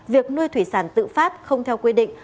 việc nuôi thủy sản tự phát không theo quy định